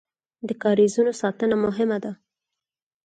د کاریزونو ساتنه مهمه ده